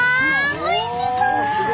おいしそう！